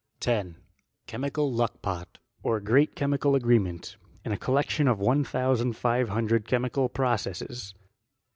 10. Chemical Luckpot, or great chemical agreement ; in a collection of one thousand five hundred chemical processes.